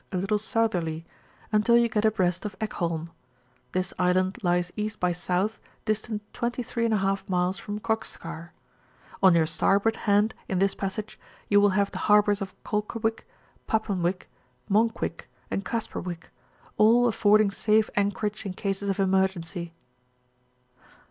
a little southerly, until you get abreast of Ekholm ; this island lies £. byS., distant 23^ miles from Kokskar: on your starboard hand, in this passage, you will have the harbours of Kolkawick, Paponwick, Monkwick, and Kasperwick, all affording safe anchorage in cases of emergency.